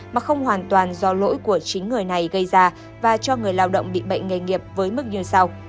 mà không hoàn toàn do lỗi của chính người này gây ra và cho người lao động bị bệnh nghề nghiệp với mức như sau